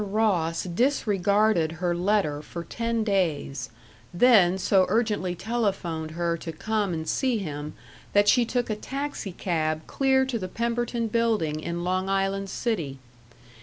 Ross disregarded her letter for ten days, then so urgently telephoned her to come and see him that she took a taxicab clear to the Pemberton Building in Long Island City.